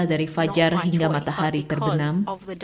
dari fajar hingga matahari terbenam